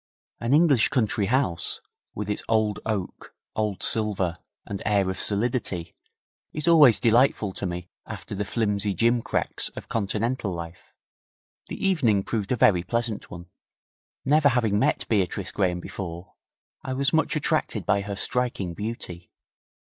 An English country house, with its old oak, old silver and air of solidity, is always delightful to me after the flimsy gimcracks of Continental life. The evening proved a very pleasant one. Never having met Beatrice Graham before, I was much attracted by her striking beauty.